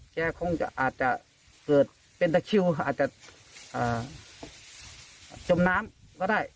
อีกแจ้อาจจะเกิดเป็นตะคิวอาจจะจมน้ำก็ได้